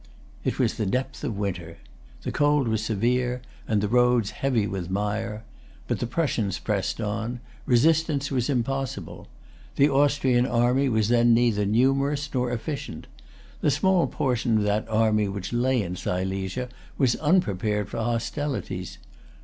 It was the depth of winter. The cold was severe, and the roads heavy with mire. But the Prussians pressed on. Resistance was impossible. The Austrian army was then neither numerous nor efficient. The small portion of that army which lay in Silesia was unprepared for hostilities.